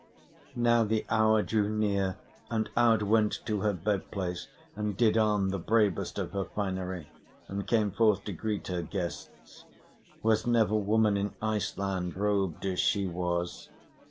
Now the hour drew near, and Aud went to her bed place, and did on the bravest of her finery, and came forth to greet her guests. Was never woman in Iceland robed as she was.